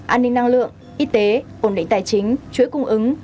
an ninh năng lượng y tế ổn định tài chính chuỗi cung ứng